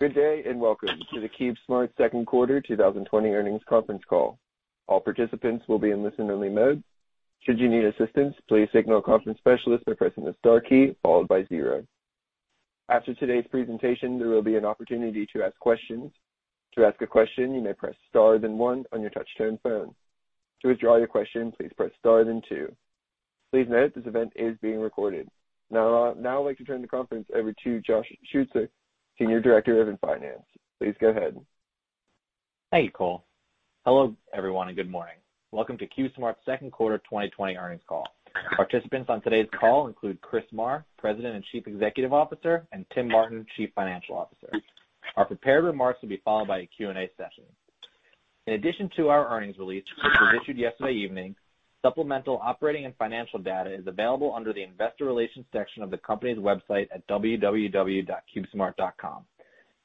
Good day, and welcome to the CubeSmart second quarter 2020 earnings conference call. Now I'd like to turn the conference over to Josh Schutzer, Senior Director of Finance. Please go ahead. Thank you, Cole. Hello, everyone, good morning. Welcome to CubeSmart's second quarter 2020 earnings call. Participants on today's call include Chris Marr, President and Chief Executive Officer, and Tim Martin, Chief Financial Officer. Our prepared remarks will be followed by a Q&A session. In addition to our earnings release, which was issued yesterday evening, supplemental operating and financial data is available under the investor relations section of the company's website at www.cubesmart.com.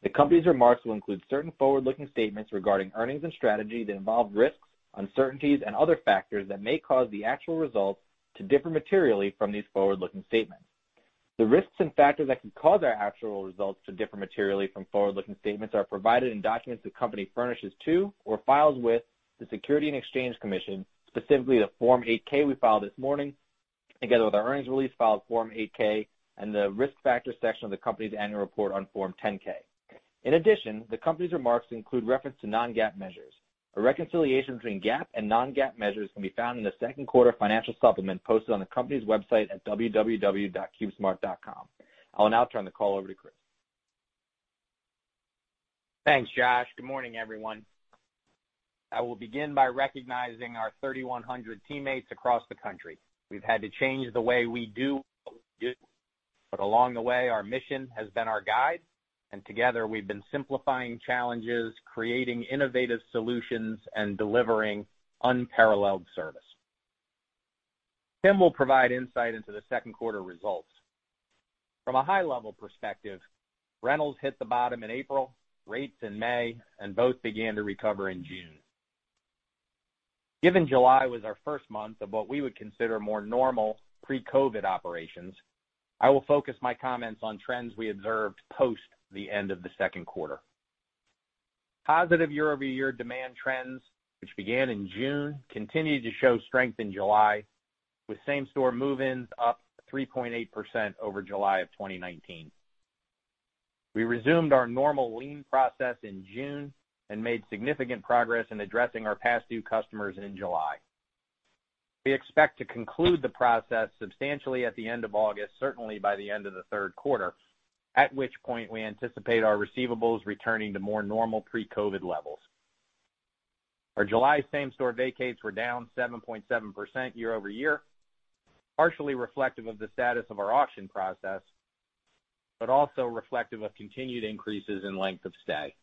The company's remarks will include certain forward-looking statements regarding earnings and strategy that involve risks, uncertainties, and other factors that may cause the actual results to differ materially from these forward-looking statements. The risks and factors that could cause our actual results to differ materially from forward-looking statements are provided in documents the company furnishes to or files with the Securities and Exchange Commission, specifically the Form 8-K we filed this morning, together with our earnings release filed Form 8-K, and the Risk Factors section of the company's annual report on Form 10-K. In addition, the company's remarks include reference to non-GAAP measures. A reconciliation between GAAP and non-GAAP measures can be found in the second quarter financial supplement posted on the company's website at www.cubesmart.com. I will now turn the call over to Chris. Thanks, Josh. Good morning, everyone. I will begin by recognizing our 3,100 teammates across the country. We've had to change the way we do what we do, but along the way, our mission has been our guide, and together we've been simplifying challenges, creating innovative solutions, and delivering unparalleled service. Tim will provide insight into the second quarter results. From a high-level perspective, rentals hit the bottom in April, rates in May, and both began to recover in June. Given July was our first month of what we would consider more normal pre-COVID operations, I will focus my comments on trends we observed post the end of the second quarter. Positive year-over-year demand trends, which began in June, continued to show strength in July, with same-store move-ins up 3.8% over July of 2019. We resumed our normal lien process in June and made significant progress in addressing our past due customers in July. We expect to conclude the process substantially at the end of August, certainly by the end of the third quarter, at which point we anticipate our receivables returning to more normal pre-COVID-19 levels. Our July same store vacates were down 7.7% year-over-year, partially reflective of the status of our auction process, but also reflective of continued increases in length of stay.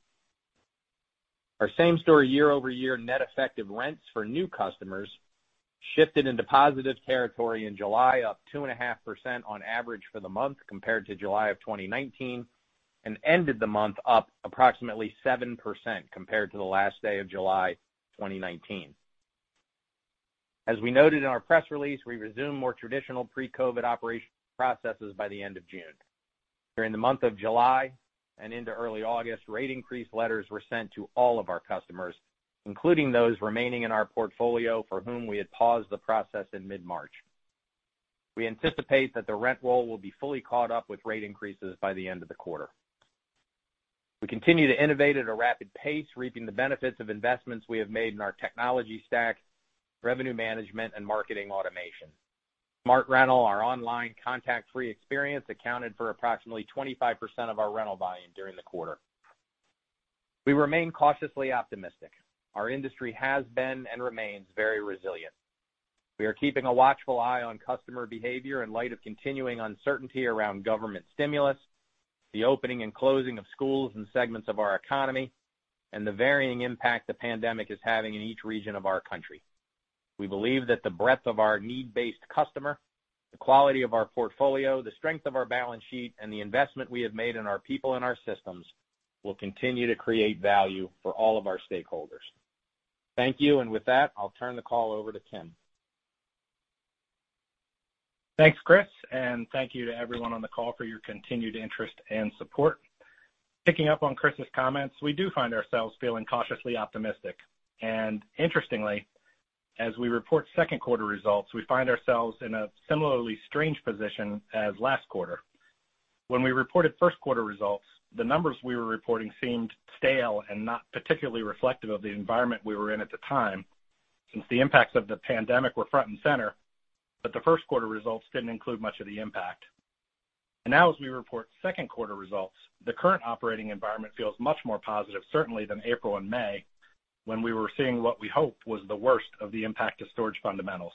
Our same-store year-over-year net effective rents for new customers shifted into positive territory in July, up 2.5% on average for the month compared to July of 2019 and ended the month up approximately 7% compared to the last day of July 2019. As we noted in our press release, we resumed more traditional pre-COVID-19 operation processes by the end of June. During the month of July and into early August, rate increase letters were sent to all of our customers, including those remaining in our portfolio for whom we had paused the process in mid-March. We anticipate that the rent roll will be fully caught up with rate increases by the end of the quarter. We continue to innovate at a rapid pace, reaping the benefits of investments we have made in our technology stack, revenue management, and marketing automation. SmartRental, our online contact-free experience, accounted for approximately 25% of our rental buy-in during the quarter. We remain cautiously optimistic. Our industry has been and remains very resilient. We are keeping a watchful eye on customer behavior in light of continuing uncertainty around government stimulus, the opening and closing of schools and segments of our economy, and the varying impact the pandemic is having in each region of our country. We believe that the breadth of our need-based customer, the quality of our portfolio, the strength of our balance sheet, and the investment we have made in our people and our systems will continue to create value for all of our stakeholders. Thank you. With that, I'll turn the call over to Tim. Thanks, Chris, and thank you to everyone on the call for your continued interest and support. Picking up on Chris's comments, we do find ourselves feeling cautiously optimistic. Interestingly, as we report second quarter results, we find ourselves in a similarly strange position as last quarter. When we reported first quarter results, the numbers we were reporting seemed stale and not particularly reflective of the environment we were in at the time, since the impacts of the pandemic were front and center, but the first quarter results didn't include much of the impact. Now as we report second quarter results, the current operating environment feels much more positive, certainly than April and May, when we were seeing what we hoped was the worst of the impact to storage fundamentals.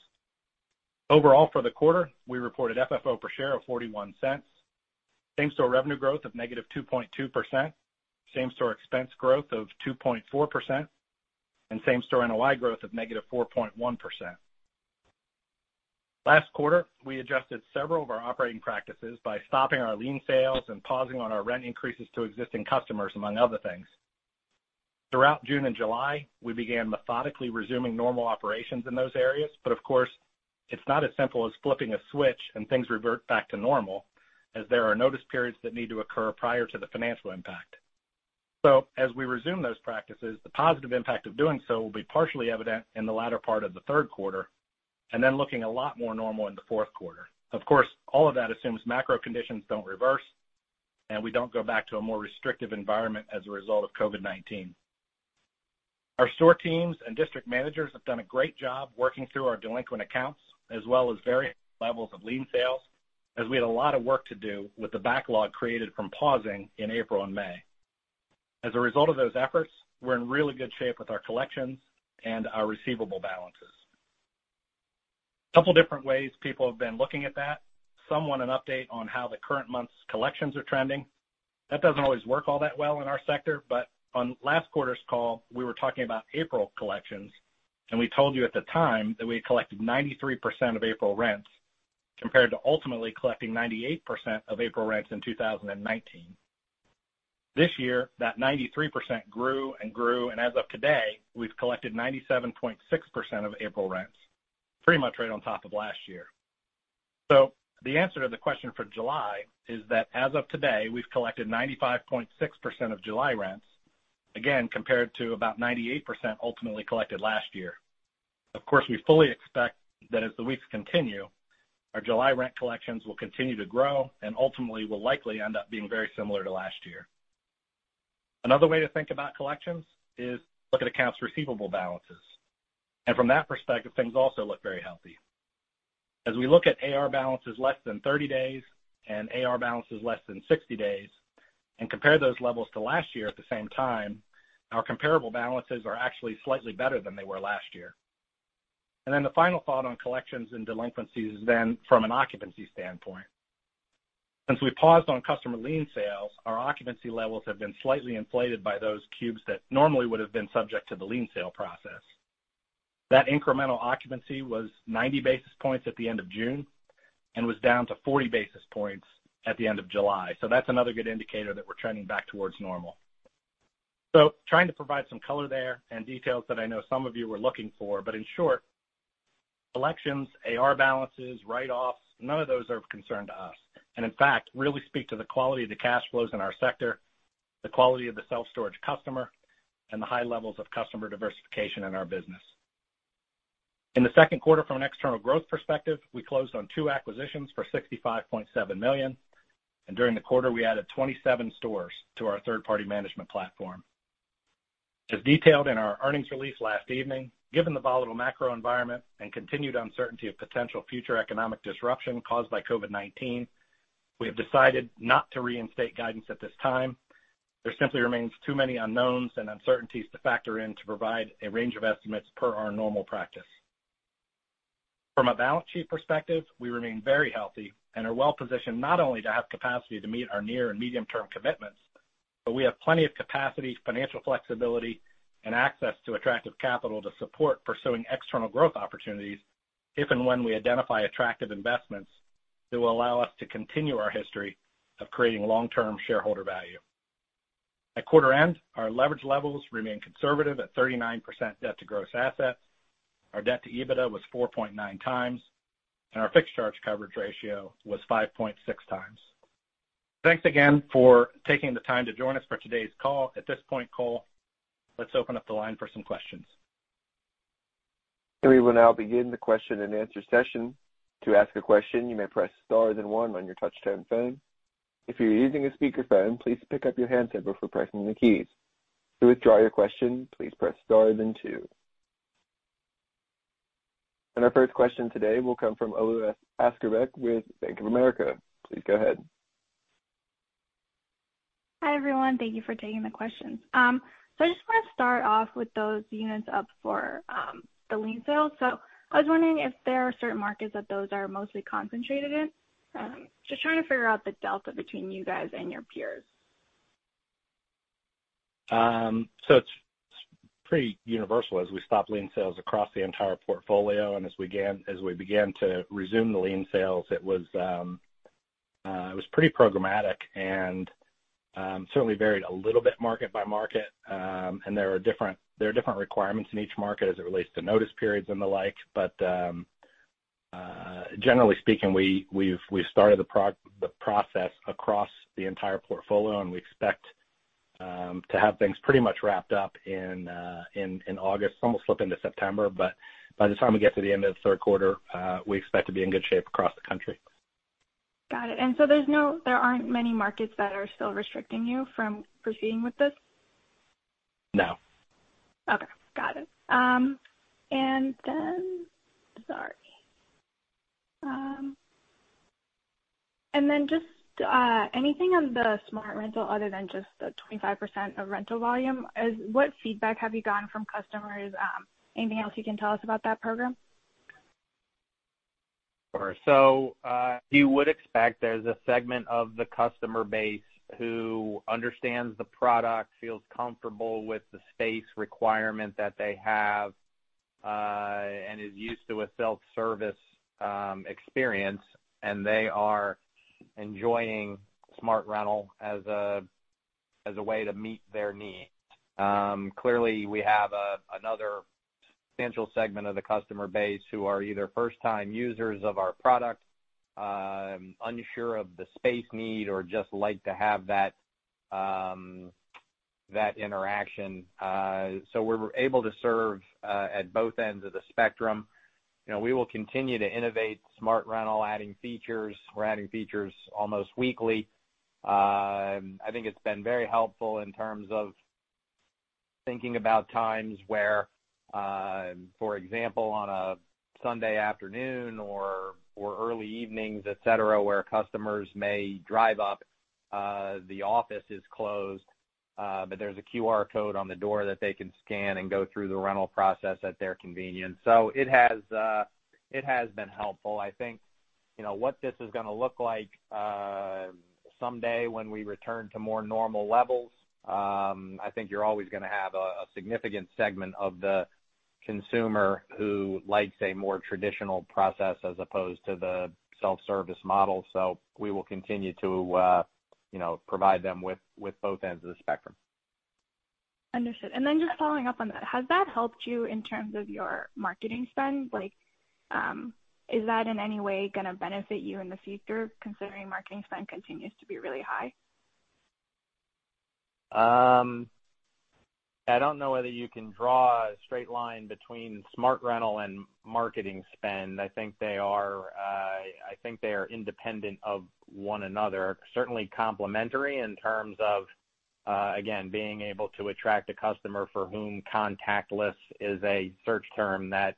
Overall, for the quarter, we reported FFO per share of $0.41, same-store revenue growth of -2.2%, same-store expense growth of 2.4%, and same-store NOI growth of -4.1%. Last quarter, we adjusted several of our operating practices by stopping our lien sales and pausing on our rent increases to existing customers, among other things. Throughout June and July, we began methodically resuming normal operations in those areas, but of course, it's not as simple as flipping a switch and things revert back to normal, as there are notice periods that need to occur prior to the financial impact. As we resume those practices, the positive impact of doing so will be partially evident in the latter part of the third quarter, and then looking a lot more normal in the fourth quarter. Of course, all of that assumes macro conditions don't reverse and we don't go back to a more restrictive environment as a result of COVID-19. Our store teams and district managers have done a great job working through our delinquent accounts as well as various levels of lien sales as we had a lot of work to do with the backlog created from pausing in April and May. As a result of those efforts, we're in really good shape with our collections and our receivable balances. A couple of different ways people have been looking at that. Some want an update on how the current month's collections are trending. That doesn't always work all that well in our sector, but on last quarter's call, we were talking about April collections, and we told you at the time that we had collected 93% of April rents, compared to ultimately collecting 98% of April rents in 2019. This year, that 93% grew and grew, and as of today, we've collected 97.6% of April rents, pretty much right on top of last year. The answer to the question for July is that as of today, we've collected 95.6% of July rents, again, compared to about 98% ultimately collected last year. Of course, we fully expect that as the weeks continue, our July rent collections will continue to grow and ultimately will likely end up being very similar to last year. Another way to think about collections is look at accounts receivable balances. From that perspective, things also look very healthy. As we look at AR balances less than 30 days and AR balances less than 60 days and compare those levels to last year at the same time, our comparable balances are actually slightly better than they were last year. Then the final thought on collections and delinquencies then from an occupancy standpoint. Since we paused on customer lien sales, our occupancy levels have been slightly inflated by those cubes that normally would have been subject to the lien sale process. That incremental occupancy was 90 basis points at the end of June and was down to 40 basis points at the end of July. That's another good indicator that we're trending back towards normal. Trying to provide some color there and details that I know some of you were looking for, but in short, collections, AR balances, write-offs, none of those are of concern to us. In fact, really speak to the quality of the cash flows in our sector, the quality of the self-storage customer, and the high levels of customer diversification in our business. In the second quarter, from an external growth perspective, we closed on two acquisitions for $65.7 million, and during the quarter, we added 27 stores to our third-party management platform. As detailed in our earnings release last evening, given the volatile macro environment and continued uncertainty of potential future economic disruption caused by COVID-19, we have decided not to reinstate guidance at this time. There simply remains too many unknowns and uncertainties to factor in to provide a range of estimates per our normal practice. From a balance sheet perspective, we remain very healthy and are well positioned not only to have capacity to meet our near and medium-term commitments, but we have plenty of capacity, financial flexibility, and access to attractive capital to support pursuing external growth opportunities if and when we identify attractive investments that will allow us to continue our history of creating long-term shareholder value. At quarter end, our leverage levels remain conservative at 39% debt to gross assets. Our debt to EBITDA was 4.9x, and our fixed charge coverage ratio was 5.6x. Thanks again for taking the time to join us for today's call. At this point, Cole, let's open up the line for some questions. We will now begin the question-and-answer session. Our first question today will come from Alok Askerboeck with Bank of America. Please go ahead. Hi, everyone. Thank you for taking the questions. I just want to start off with those units up for the lien sale. I was wondering if there are certain markets that those are mostly concentrated in. Just trying to figure out the delta between you guys and your peers. It's pretty universal as we stop lien sales across the entire portfolio, and as we began to resume the lien sales, it was pretty programmatic and certainly varied a little bit market by market, and there are different requirements in each market as it relates to notice periods and the like. Generally speaking, we've started the process across the entire portfolio, and we expect to have things pretty much wrapped up in August, some will slip into September, but by the time we get to the end of the third quarter, we expect to be in good shape across the country. Got it. There aren't many markets that are still restricting you from proceeding with this? No. Okay. Got it. Sorry. Just anything on the SmartRental other than just the 25% of rental volume. What feedback have you gotten from customers? Anything else you can tell us about that program? Sure. You would expect there's a segment of the customer base who understands the product, feels comfortable with the space requirement that they have. Is used to a self-service experience, and they are enjoying SmartRental as a way to meet their needs. Clearly, we have another potential segment of the customer base who are either first-time users of our product, unsure of the space need, or just like to have that interaction. We're able to serve at both ends of the spectrum. We will continue to innovate SmartRental, adding features. We're adding features almost weekly. I think it's been very helpful in terms of thinking about times where, for example, on a Sunday afternoon or early evenings, et cetera, where customers may drive up, the office is closed, but there's a QR code on the door that they can scan and go through the rental process at their convenience. It has been helpful. I think what this is going to look like someday when we return to more normal levels, I think you're always going to have a significant segment of the consumer who likes a more traditional process as opposed to the self-service model. We will continue to provide them with both ends of the spectrum. Understood. Just following up on that, has that helped you in terms of your marketing spend? Is that in any way going to benefit you in the future, considering marketing spend continues to be really high? I don't know whether you can draw a straight line between SmartRental and marketing spend. I think they are independent of one another. Certainly complementary in terms of, again, being able to attract a customer for whom contactless is a search term that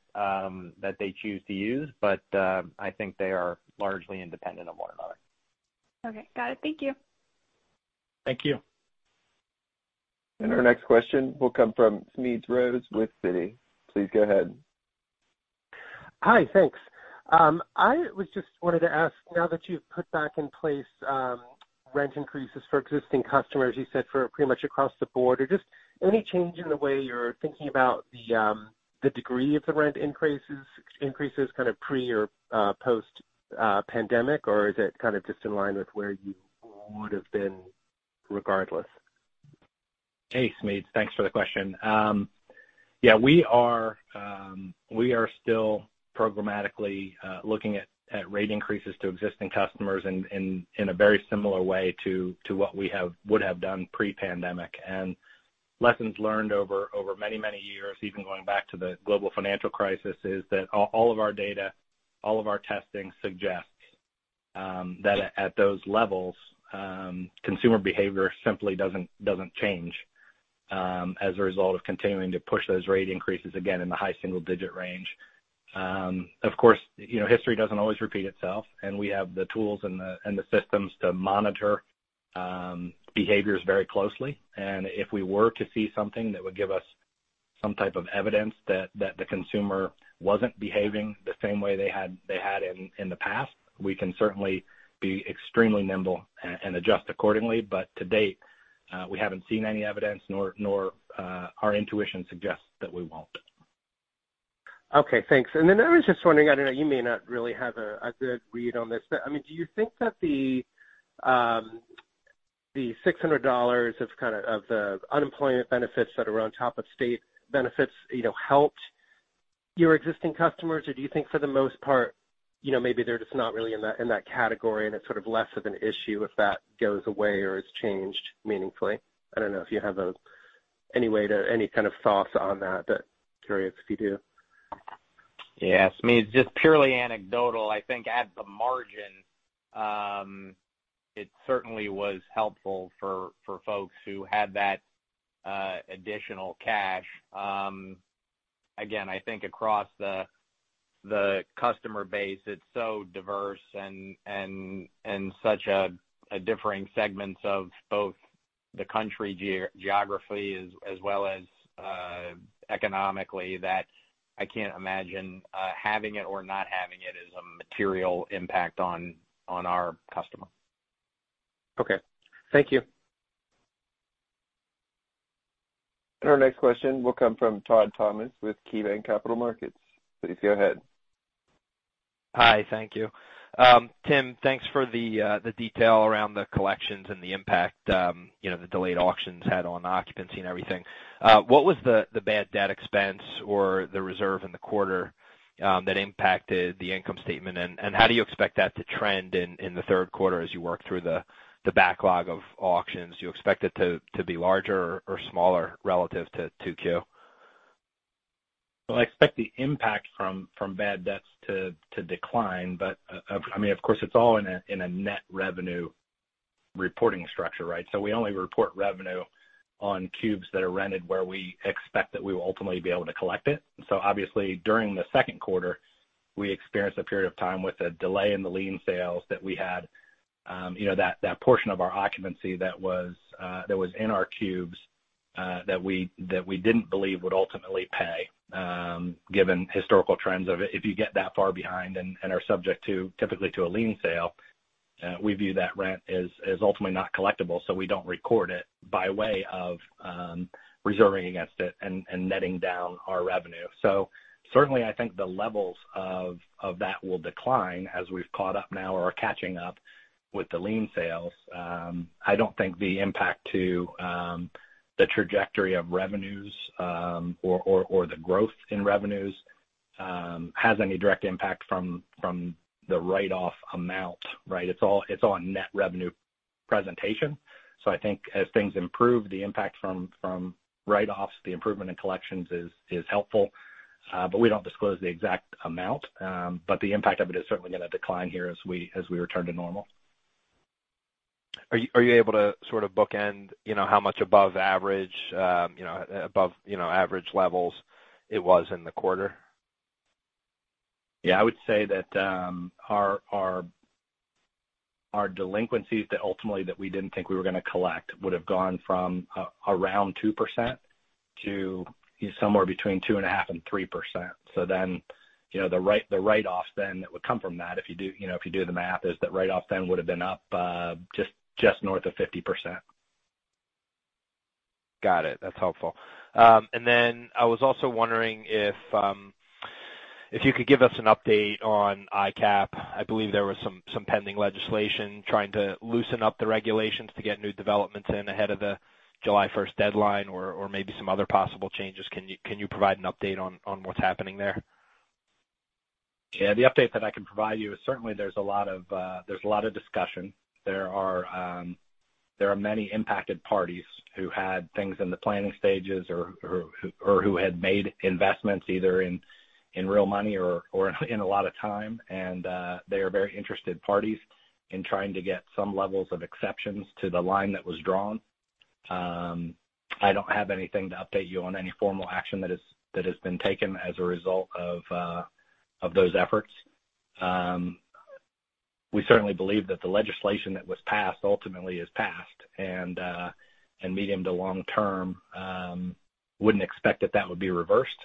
they choose to use. I think they are largely independent of one another. Okay. Got it. Thank you. Thank you. Our next question will come from Spenser Glimcher with Citi. Please go ahead. Hi, thanks. I just wanted to ask, now that you've put back in place rent increases for existing customers, you said for pretty much across the board. Are there any changes in the way you're thinking about the degree of the rent increases, kind of pre or post pandemic, or is it kind of just in line with where you would have been regardless? Hey, Smead. Thanks for the question. Yeah, we are still programmatically looking at rate increases to existing customers in a very similar way to what we would have done pre-pandemic. Lessons learned over many, many years, even going back to the global financial crisis, is that all of our data, all of our testing suggests that at those levels, consumer behavior simply doesn't change as a result of continuing to push those rate increases, again, in the high single-digit range. Of course, history doesn't always repeat itself, and we have the tools and the systems to monitor behaviors very closely. If we were to see something that would give us some type of evidence that the consumer wasn't behaving the same way they had in the past, we can certainly be extremely nimble and adjust accordingly. To date, we haven't seen any evidence, nor our intuition suggests that we won't. Okay, thanks. I was just wondering, I don't know, you may not really have a good read on this, but do you think that the $600 of the unemployment benefits that are on top of state benefits helped your existing customers? Do you think for the most part, maybe they're just not really in that category and it's sort of less of an issue if that goes away or is changed meaningfully? I don't know if you have any kind of thoughts on that, but curious if you do. Yes. I mean, it's just purely anecdotal. I think at the margin, it certainly was helpful for folks who had that additional cash. Again, I think across the customer base, it's so diverse and such differing segments of both the country geography as well as economically, that I can't imagine having it or not having it is a material impact on our customer. Okay. Thank you. Our next question will come from Todd Thomas with KeyBanc Capital Markets. Please go ahead. Hi. Thank you. Tim, thanks for the detail around the collections and the impact the delayed auctions had on occupancy and everything. What was the bad debt expense or the reserve in the quarter that impacted the income statement? How do you expect that to trend in the third quarter as you work through the backlog of auctions? Do you expect it to be larger or smaller relative to 2Q? I expect the impact from bad debts to decline. Of course, it's all in a net revenue reporting structure, right. We only report revenue on cubes that are rented where we expect that we will ultimately be able to collect it. Obviously, during the second quarter, we experienced a period of time with a delay in the lien sales that we had. That portion of our occupancy that was in our cubes that we didn't believe would ultimately pay, given historical trends of it, if you get that far behind and are subject typically to a lien sale. We view that rent as ultimately not collectible, so we don't record it by way of reserving against it and netting down our revenue. Certainly, I think the levels of that will decline as we've caught up now or are catching up with the lien sales. I don't think the impact to the trajectory of revenues, or the growth in revenues, has any direct impact from the write-off amount. It's all net revenue presentation. I think as things improve, the impact from write-offs, the improvement in collections is helpful. We don't disclose the exact amount. The impact of it is certainly going to decline here as we return to normal. Are you able to sort of bookend how much above average levels it was in the quarter? Yeah, I would say that our delinquencies that ultimately that we didn't think we were going to collect would've gone from around 2% to somewhere between 2.5% and 3%. The write-offs then that would come from that, if you do the math, is that write-off then would've been up just north of 50%. Got it. That's helpful. I was also wondering if you could give us an update on ICAP. I believe there was some pending legislation trying to loosen up the regulations to get new developments in ahead of the July 1st deadline or maybe some other possible changes. Can you provide an update on what's happening there? Yeah. The update that I can provide you is certainly there's a lot of discussion. There are many impacted parties who had things in the planning stages or who had made investments either in real money or in a lot of time. They are very interested parties in trying to get some levels of exceptions to the line that was drawn. I don't have anything to update you on any formal action that has been taken as a result of those efforts. We certainly believe that the legislation that was passed ultimately is passed, and medium to long term, wouldn't expect that that would be reversed.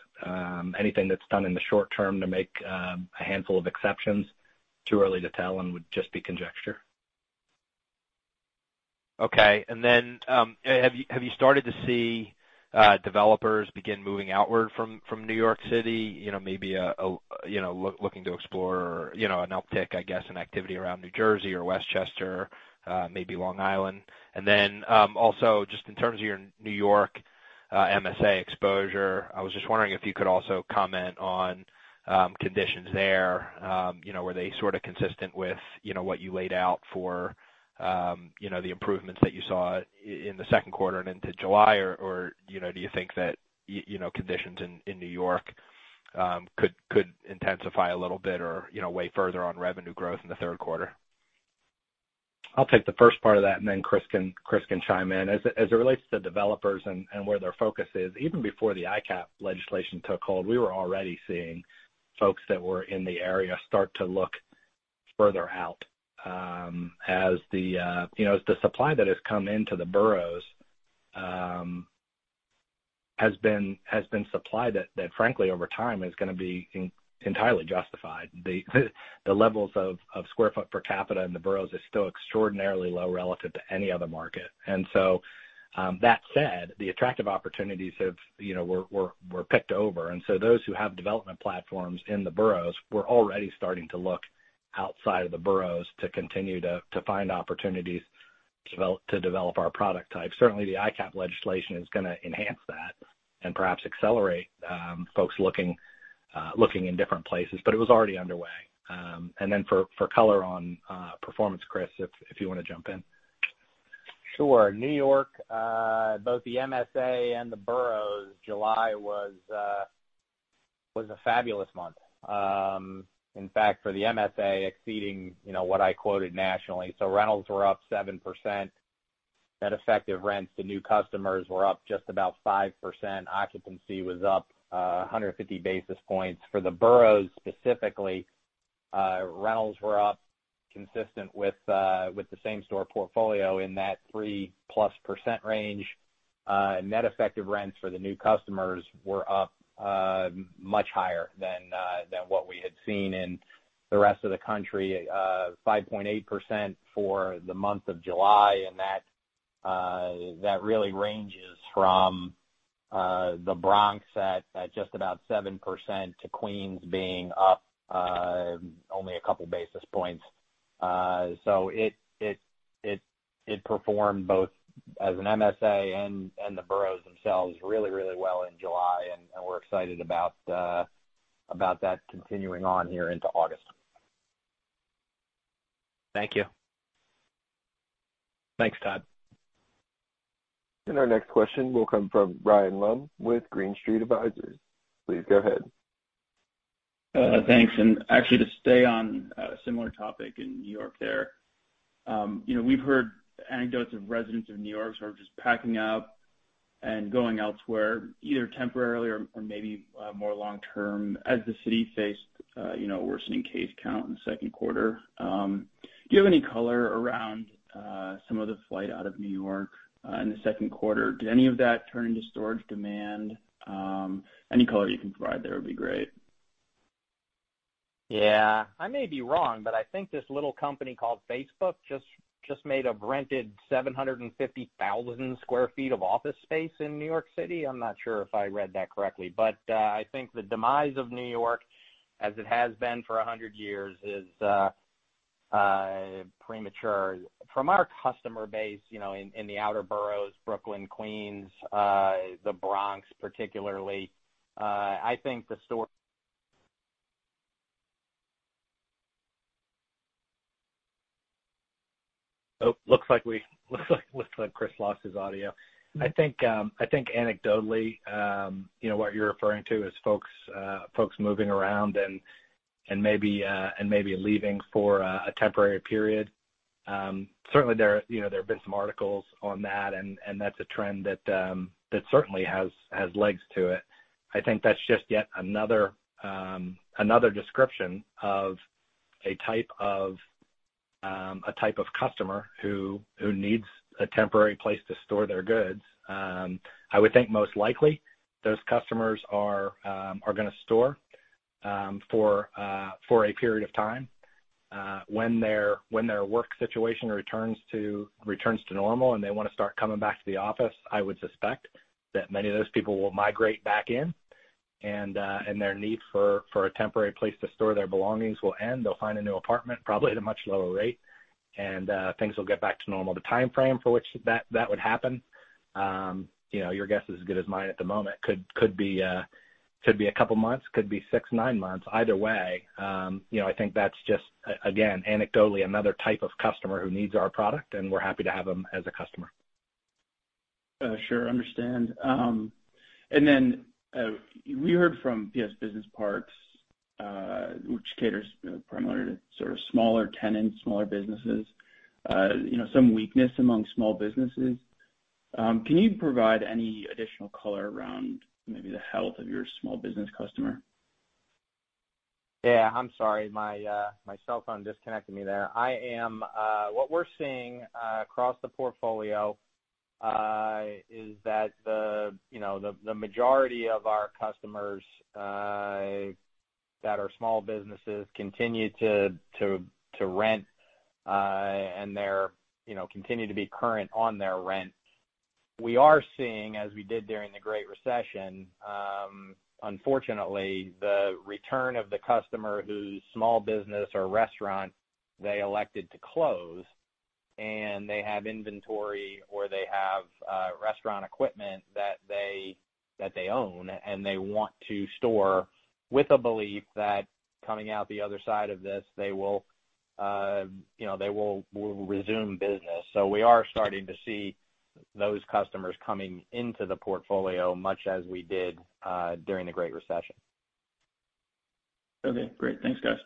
Anything that's done in the short term to make a handful of exceptions, too early to tell and would just be conjecture. Okay. Have you started to see developers begin moving outward from New York City, maybe looking to explore an uptick, I guess, in activity around New Jersey or Westchester, maybe Long Island? Just in terms of your New York MSA exposure, I was just wondering if you could also comment on conditions there. Were they sort of consistent with what you laid out for the improvements that you saw in the second quarter and into July? Or do you think that conditions in New York could intensify a little bit or weigh further on revenue growth in the third quarter? I'll take the first part of that, and then Chris can chime in. As it relates to developers and where their focus is, even before the ICAP legislation took hold, we were already seeing folks that were in the area start to look further out. As the supply that has come into the boroughs has been supplied that frankly, over time, is going to be entirely justified. The levels of square foot per capita in the boroughs is still extraordinarily low relative to any other market. That said, the attractive opportunities were picked over, and so those who have development platforms in the boroughs were already starting to look outside of the boroughs to continue to find opportunities to develop our product type. Certainly, the ICAP legislation is going to enhance that and perhaps accelerate folks looking in different places, but it was already underway. For color on performance, Chris, if you want to jump in. Sure. New York, both the MSA and the boroughs, July was a fabulous month. In fact, for the MSA exceeding what I quoted nationally. Rentals were up 7%, net effective rents to new customers were up just about 5%. Occupancy was up 150 basis points. For the boroughs specifically, rentals were up consistent with the same store portfolio in that 3%+ range. Net effective rents for the new customers were up much higher than what we had seen in the rest of the country, 5.8% for the month of July. That really ranges from the Bronx at just about 7% to Queens being up only a couple basis points. It performed both as an MSA and the boroughs themselves really well in July, and we're excited about that continuing on here into August. Thank you. Thanks, Todd. Our next question will come from Ravi Vaidya with Green Street Advisors. Please go ahead. Thanks. Actually, to stay on a similar topic in New York there. We've heard anecdotes of residents of New York sort of just packing up and going elsewhere, either temporarily or maybe more long-term as the city faced a worsening case count in the second quarter. Do you have any color around some of the flight out of New York in the second quarter? Did any of that turn into storage demand? Any color you can provide there would be great. Yeah. I may be wrong, but I think this little company called Facebook just made or rented 750,000 square feet of office space in New York City. I'm not sure if I read that correctly, but I think the demise of New York, as it has been for 100 years, is premature. From our customer base in the outer boroughs, Brooklyn, Queens, the Bronx particularly, I think the story Oh, looks like Chris lost his audio. I think anecdotally, what you're referring to is folks moving around and maybe leaving for a temporary period. Certainly, there have been some articles on that, and that's a trend that certainly has legs to it. I think that's just yet another description of a type of customer who needs a temporary place to store their goods. I would think most likely those customers are going to store for a period of time. When their work situation returns to normal and they want to start coming back to the office, I would suspect that many of those people will migrate back in, and their need for a temporary place to store their belongings will end. They'll find a new apartment, probably at a much lower rate, and things will get back to normal. The timeframe for which that would happen, your guess is as good as mine at the moment. Could be a couple of months, could be six, nine months. Either way, I think that's just, again, anecdotally, another type of customer who needs our product, and we're happy to have them as a customer. Sure. Understand. We heard from PS Business Parks, which caters primarily to sort of smaller tenants, smaller businesses, some weakness among small businesses. Can you provide any additional color around maybe the health of your small business customer? Yeah. I'm sorry, my cellphone disconnected me there. What we're seeing across the portfolio is that the majority of our customers that are small businesses continue to rent, and they continue to be current on their rent. We are seeing, as we did during the Great Recession, unfortunately, the return of the customer whose small business or restaurant they elected to close, and they have inventory, or they have restaurant equipment that they own and they want to store with a belief that coming out the other side of this, they will resume business. We are starting to see those customers coming into the portfolio much as we did during the Great Recession. Okay, great. Thanks, guys.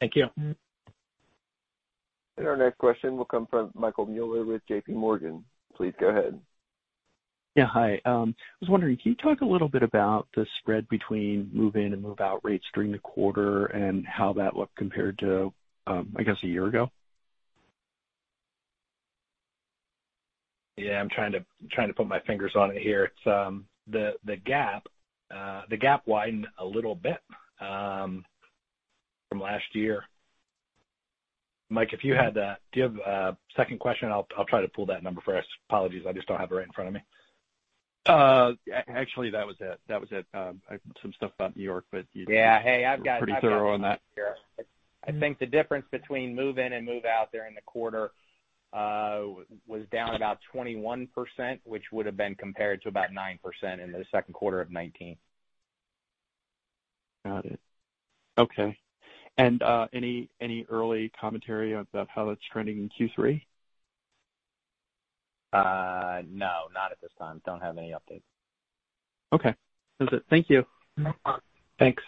Thank you. Our next question will come from Michael Mueller with JPMorgan. Please go ahead. Yeah, hi. I was wondering, can you talk a little bit about the spread between move-in and move-out rates during the quarter and how that looked compared to, I guess, a year ago? Yeah, I'm trying to put my fingers on it here. The gap widened a little bit from last year. Mike, if you have a second question, I'll try to pull that number for us. Apologies, I just don't have it right in front of me. Actually, that was it. Some stuff about New York. Yeah. Hey, I've got it you were pretty thorough on that. I think the difference between move-in and move-out during the quarter was down about 21%, which would have been compared to about 9% in the second quarter of 2019. Got it. Okay. Any early commentary about how that's trending in Q3? No, not at this time. Don't have any updates. Okay. That's it. Thank you. No problem. Thanks.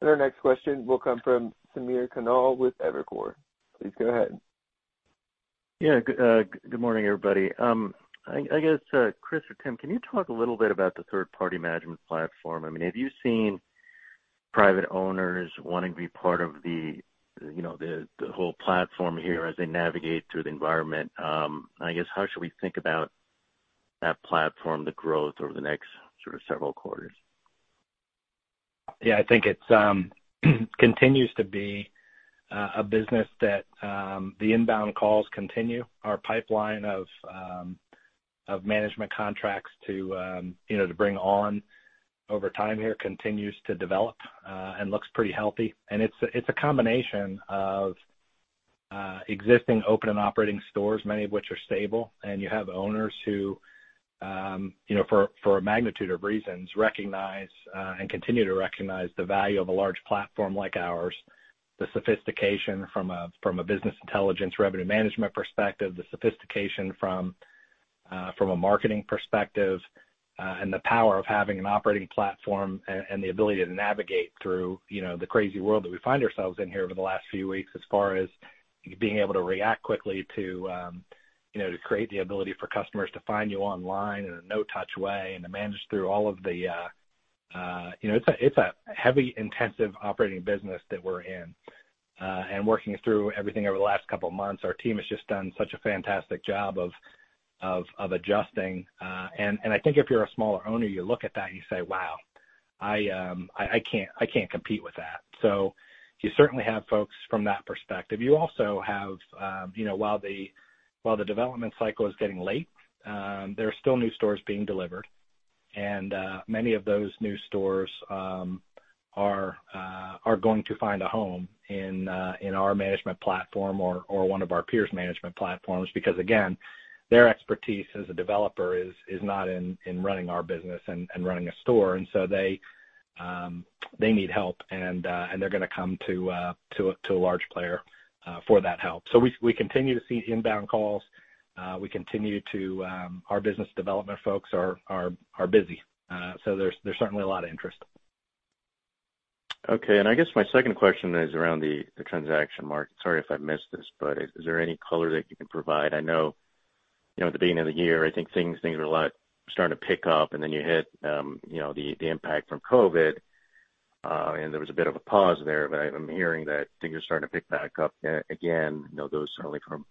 Our next question will come from Samir Khanal with Evercore. Please go ahead. Yeah. Good morning, everybody. I guess, Chris or Tim, can you talk a little bit about the third-party management platform? Have you seen private owners wanting to be part of the whole platform here as they navigate through the environment? I guess, how should we think about that platform, the growth over the next sort of several quarters? Yeah, I think it continues to be a business that the inbound calls continue. Our pipeline of management contracts to bring on over time here continues to develop and looks pretty healthy. It's a combination of existing open and operating stores, many of which are stable. You have owners who, for a magnitude of reasons, recognize and continue to recognize the value of a large platform like ours, the sophistication from a business intelligence revenue management perspective, the sophistication from a marketing perspective, and the power of having an operating platform and the ability to navigate through the crazy world that we find ourselves in here over the last few weeks as far as being able to react quickly to create the ability for customers to find you online in a no-touch way. It's a heavy, intensive operating business that we're in. Working through everything over the last couple of months, our team has just done such a fantastic job of adjusting. I think if you're a smaller owner, you look at that and you say, "Wow, I can't compete with that." You certainly have folks from that perspective. You also have, while the development cycle is getting late, there are still new stores being delivered. Many of those new stores are going to find a home in our management platform or one of our peers' management platforms, because again, their expertise as a developer is not in running our business and running a store. They need help, and they're going to come to a large player for that help. We continue to see inbound calls. Our business development folks are busy. There's certainly a lot of interest. Okay, I guess my second question is around the transaction, Marr. Sorry if I missed this, is there any color that you can provide? I know at the beginning of the year, I think things were a lot starting to pick up, then you hit the impact from COVID, there was a bit of a pause there, I'm hearing that things are starting to pick back up again, those certainly from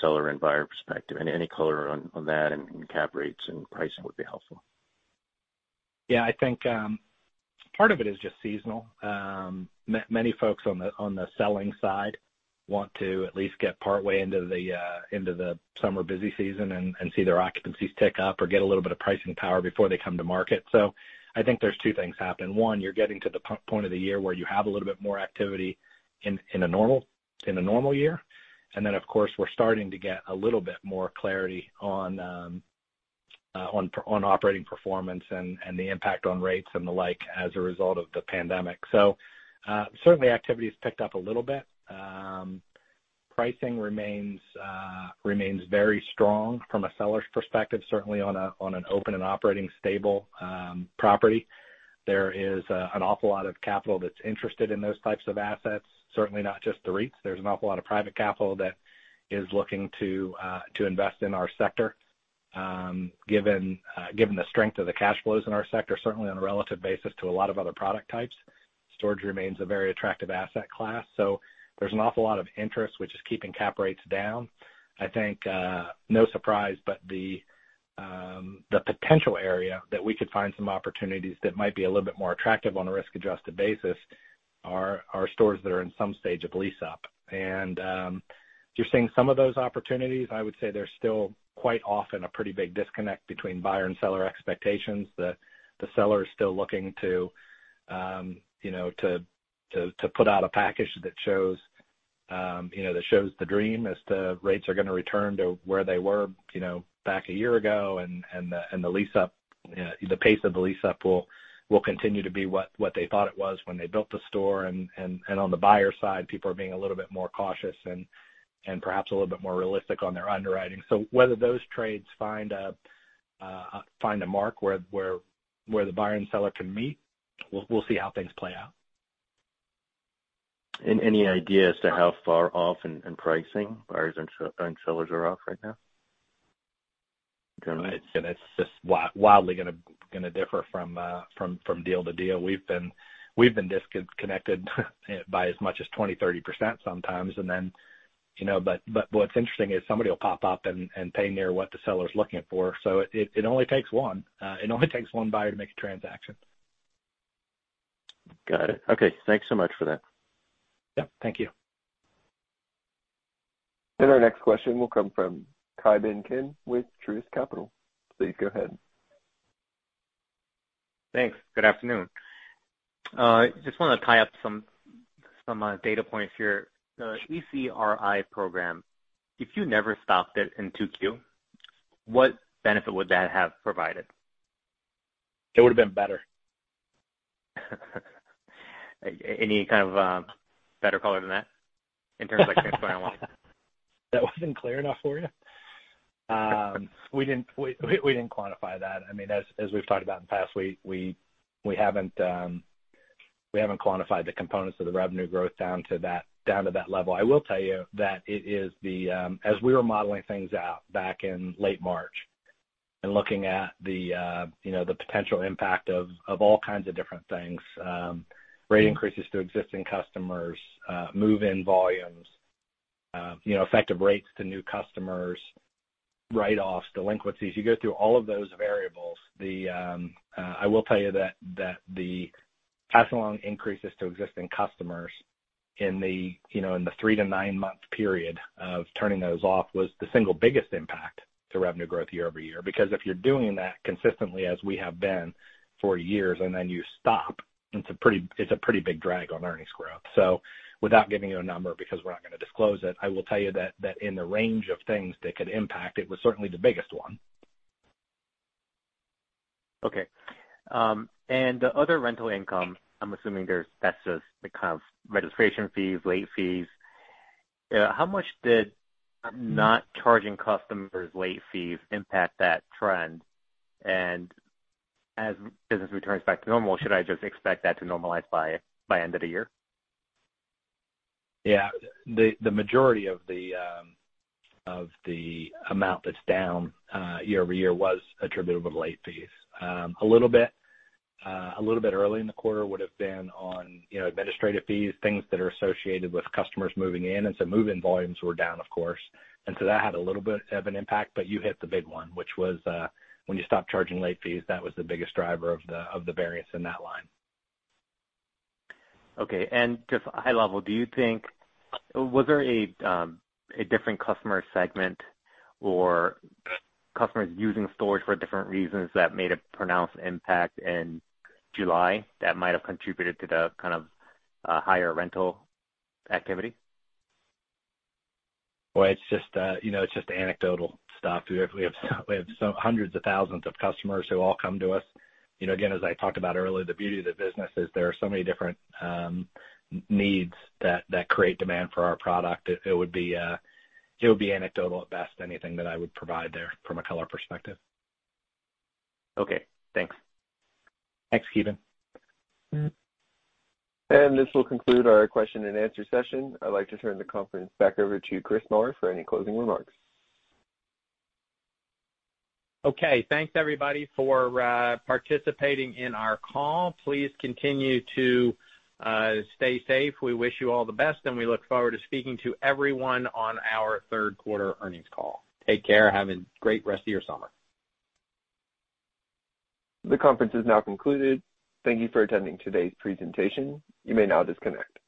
seller and buyer perspective. Any color on that and cap rates and pricing would be helpful. Yeah, I think part of it is just seasonal. Many folks on the selling side want to at least get partway into the summer busy season and see their occupancies tick up or get a little bit of pricing power before they come to market. I think there's two things happening. One, you're getting to the point of the year where you have a little bit more activity in a normal year. Then, of course, we're starting to get a little bit more clarity on operating performance and the impact on rates and the like as a result of the pandemic. Certainly activity's picked up a little bit. Pricing remains very strong from a seller's perspective, certainly on an open and operating stable property. There is an awful lot of capital that's interested in those types of assets, certainly not just the REITs. There's an awful lot of private capital that is looking to invest in our sector. Given the strength of the cash flows in our sector, certainly on a relative basis to a lot of other product types, storage remains a very attractive asset class. There's an awful lot of interest, which is keeping cap rates down. I think, no surprise, the potential area that we could find some opportunities that might be a little bit more attractive on a risk-adjusted basis are stores that are in some stage of lease-up. You're seeing some of those opportunities. I would say there's still quite often a pretty big disconnect between buyer and seller expectations, that the seller is still looking to put out a package that shows the dream as to rates are going to return to where they were back a year ago, and the pace of the lease-up will continue to be what they thought it was when they built the store. On the buyer side, people are being a little bit more cautious and perhaps a little bit more realistic on their underwriting. Whether those trades find a mark where the buyer and seller can meet, we'll see how things play out. Any idea as to how far off in pricing buyers and sellers are off right now? It's just wildly going to differ from deal to deal. We've been disconnected by as much as 20%-30% sometimes. What's interesting is somebody will pop up and pay near what the seller's looking for. It only takes one buyer to make a transaction. Got it. Okay. Thanks so much for that. Yeah. Thank you. Our next question will come from Ki Bin Kim with Truist Securities. Please go ahead. Thanks. Good afternoon. Just want to tie up some data points here. The ECRI program, if you never stopped it in 2Q, what benefit would that have provided? It would've been better. Any kind of better color than that in terms trends along? That wasn't clear enough for you? We didn't quantify that. As we've talked about in the past, we haven't quantified the components of the revenue growth down to that level. I will tell you that as we were modeling things out back in late March and looking at the potential impact of all kinds of different things, rate increases to existing customers, move-in volumes, effective rates to new customers, write-offs, delinquencies. You go through all of those variables. I will tell you that the pass-along increases to existing customers in the three- to nine-month period of turning those off was the single biggest impact to revenue growth year-over-year. Because if you're doing that consistently as we have been for years, and then you stop, it's a pretty big drag on earnings growth. Without giving you a number, because we're not going to disclose it, I will tell you that in the range of things that could impact, it was certainly the biggest one. Okay. The other rental income, I'm assuming that's just the kind of registration fees, late fees. How much did not charging customers late fees impact that trend? As business returns back to normal, should I just expect that to normalize by end of the year? Yeah. The majority of the amount that's down year-over-year was attributable to late fees. A little bit early in the quarter would've been on administrative fees, things that are associated with customers moving in. Move-in volumes were down, of course. That had a little bit of an impact, but you hit the big one, which was when you stopped charging late fees, that was the biggest driver of the variance in that line. Okay. Just high level, was there a different customer segment or customers using storage for different reasons that made a pronounced impact in July that might have contributed to the kind of higher rental activity? Well, it's just anecdotal stuff. We have hundreds of thousands of customers who all come to us. Again, as I talked about earlier, the beauty of the business is there are so many different needs that create demand for our product. It would be anecdotal at best, anything that I would provide there from a color perspective. Okay. Thanks. Thanks, Ki Bin. This will conclude our question-and-answer session. I'd like to turn the conference back over to Chris Marr for any closing remarks. Okay. Thanks everybody for participating in our call. Please continue to stay safe. We wish you all the best, and we look forward to speaking to everyone on our third quarter earnings call. Take care. Have a great rest of your summer. The conference is now concluded. Thank you for attending today's presentation. You may now disconnect.